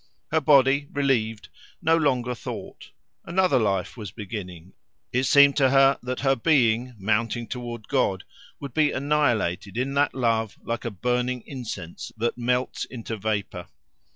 Her body, relieved, no longer thought; another life was beginning; it seemed to her that her being, mounting toward God, would be annihilated in that love like a burning incense that melts into vapour.